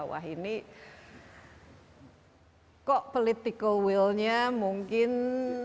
wah ini kok political will nya mungkin